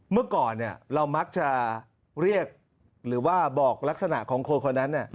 เมื่อก่อนเรามักจะเรียกหรือว่าบอกลักษณะของคนคนนั้น